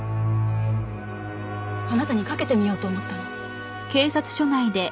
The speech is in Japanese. あなたに賭けてみようと思ったの。